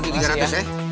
gue bantu tiga ratus ya